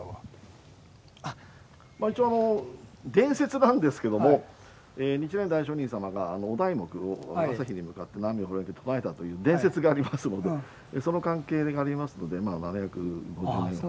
まあ一応伝説なんですけども日蓮大聖人様がお題目を朝日に向かって「南無妙法蓮」と唱えたという伝説がありますのでその関係がありますのでまあ７５０年ほど前。